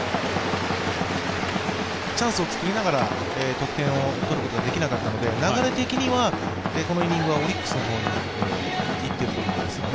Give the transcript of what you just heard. チャンスを作りながら得点を取ることができなかったので流れ的にはこのイニングはオリックスの方にいってると思うんですよね。